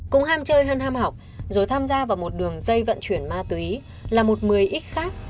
cũng ham chơi hơn ham học rồi tham gia vào một đường dây vận chuyển ma túy là một mười ít khác